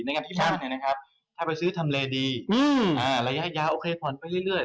งานที่บ้านถ้าไปซื้อทำเลดีระยะยาวโอเคผ่อนไปเรื่อย